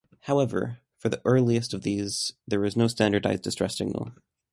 However, for the earliest of these, there was no standardized distress signal.